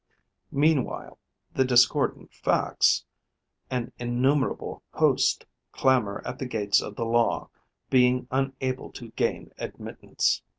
Meanwhile, the discordant facts, an innumerable host, clamour at the gates of the law, being unable to gain admittance.